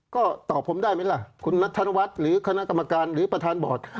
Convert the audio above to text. ก็ตอบผมได้ไหมล่ะคุณนัฐญวัตรหลายโครงละครนักกรรมการหรือประธานบอร์ด